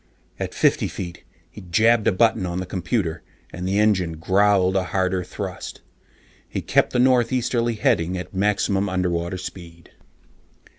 At fifty feet, he jabbed a button on the computer, and the engines growled a harder thrust. He kept the northeasterly heading at maximum underwater speed.